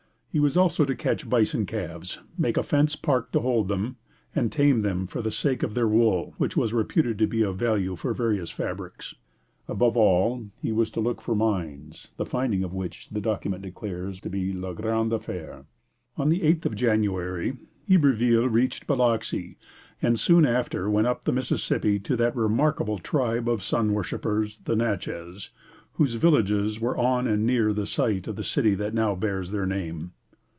He was also to catch bison calves, make a fenced park to hold them, and tame them for the sake of their wool, which was reputed to be of value for various fabrics. Above all, he was to look for mines, the finding of which the document declares to be "la grande affaire." On the eighth of January, Iberville reached Biloxi, and soon after went up the Mississippi to that remarkable tribe of sun worshippers, the Natchez, whose villages were on and near the site of the city that now bears their name.